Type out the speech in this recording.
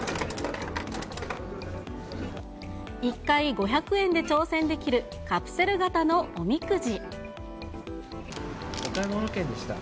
１回５００円で挑戦できるカプセル型のおみくじ。